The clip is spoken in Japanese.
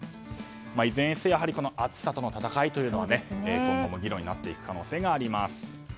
いずれにせよやはり暑さとの闘いというのは今後も議論になってくる可能性があります。